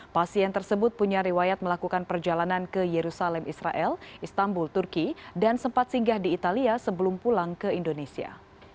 pasien tersebut punya riwayat melakukan perjalanan ke yerusalem israel istanbul turki dan sempat singgah di italia sebelum pulang ke indonesia